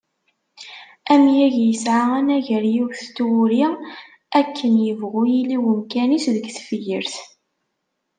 Amyag yesεa anagar yiwet n twuri, akken yebγu yili umkan-is deg tefyirt.